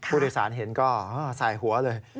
ผู้โดยสารเห็นก็ใส่หัวเลย